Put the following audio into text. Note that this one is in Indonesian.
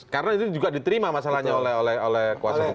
karena itu juga diterima masalahnya oleh kuasa hukum